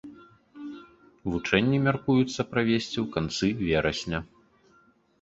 Вучэнні мяркуецца правесці ў канцы верасня.